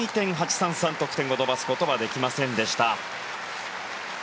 得点を伸ばすことはできませんでした。